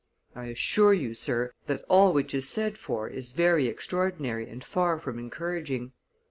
I assure you, sir, that all which is said for is very extraordinary and far from encouraging.